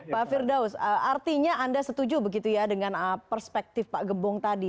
pak firdaus artinya anda setuju begitu ya dengan perspektif pak gembong tadi